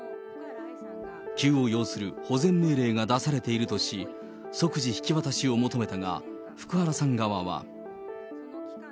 急を要する保全命令が出されているとし、即時引き渡しを求めたが、福原さん側は。